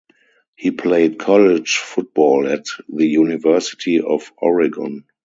He played college football at the University of Oregon.